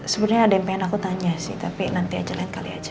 sebenarnya ada yang pengen aku tanya sih tapi nanti aja lain kali aja